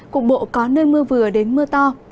cục bộ có nơi mưa vừa đến mưa to